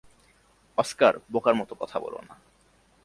Oscar, বোকার মতো কথা বলো না।